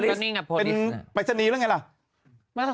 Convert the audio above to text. เป็นแรงการอีกชีวิตอะไรเงี่ย